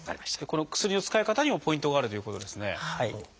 この薬の使い方にもポイントがあるということですね。